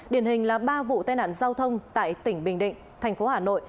điển hình là ba vụ tai nạn giao thông tại tỉnh bình định thành phố hà nội